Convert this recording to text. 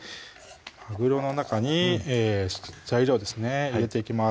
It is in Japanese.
まぐろの中に材料ですね入れていきます